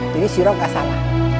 jadi siro gak sama